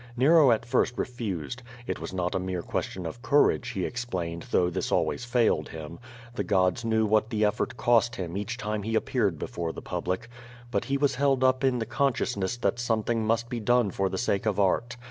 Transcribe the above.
Nero at first refused. It was not a mere question of courage, he explained, though this always failed him. The gods knew what the effort cost him each time he appeared before the public. But he was held up in the consciousness that something must be done for the sake of art.